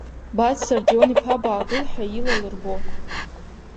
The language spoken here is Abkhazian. Баӡ Сардион-иԥа баагыл ҳәа ила лырбо.